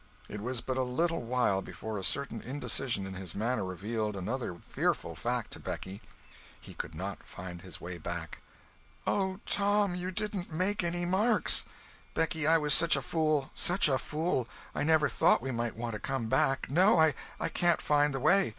It was but a little while before a certain indecision in his manner revealed another fearful fact to Becky—he could not find his way back! "Oh, Tom, you didn't make any marks!" "Becky, I was such a fool! Such a fool! I never thought we might want to come back! No—I can't find the way.